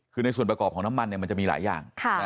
คือในส่วนประกอบของน้ำมันมันจะมีหลายอย่าง